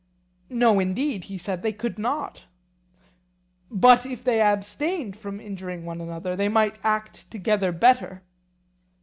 No indeed, he said, they could not. But if they abstained from injuring one another, then they might act together better?